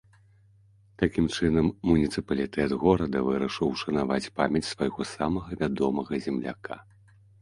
Такім чынам муніцыпалітэт горада вырашыў ушанаваць памяць свайго самага вядомага земляка.